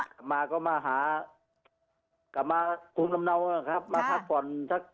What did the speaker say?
กลับมาก็มาหากลับมาพักฝน